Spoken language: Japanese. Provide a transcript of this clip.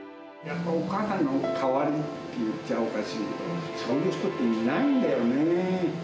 やっぱお母さんの代わりって言っちゃおかしいけど、そういう人っていないんだよね。